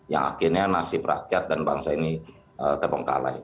yang akhirnya nasib rakyat dan bangsa ini terbengkalai